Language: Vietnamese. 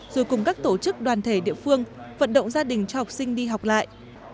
rồi cùng các tổ chức đoàn thể địa phương vận động gia đình cho học sinh đi học lại